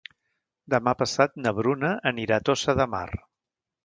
Demà passat na Bruna anirà a Tossa de Mar.